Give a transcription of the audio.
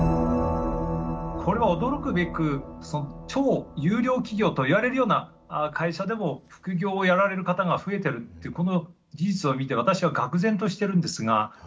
これは驚くべく超優良企業といわれるような会社でも副業をやられる方が増えてるっていうこの事実を見て私はがく然としてるんですが。